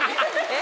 え！